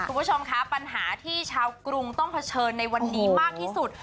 คุณผู้ชมคะปัญหาที่ชาวกรุงต้องเผชิญในวันนี้มากที่สุด